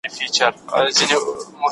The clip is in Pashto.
زه مرسته نه کوم!